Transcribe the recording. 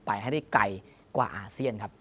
ไปให้ได้ไกลกว่าอาเซียนครับ